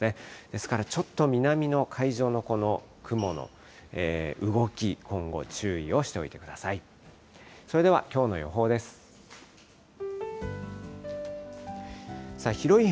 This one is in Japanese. ですからちょっと南の海上の、この雲の動き、今後注意をしておいてください。